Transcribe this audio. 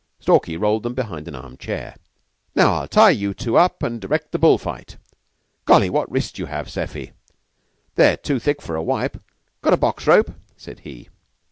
Stalky rolled them behind an arm chair. "Now I'll tie you two up an' direct the bull fight. Golly, what wrists you have, Seffy. They're too thick for a wipe; got a box rope?" said he.